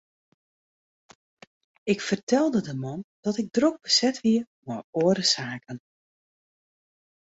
Ik fertelde de man dat ik drok beset wie mei oare saken.